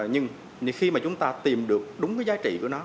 nhưng khi mà chúng ta tìm được đúng cái giá trị của nó